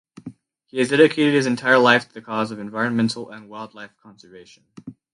He has dedicated his entire life to the cause of environmental and wildlife conservation.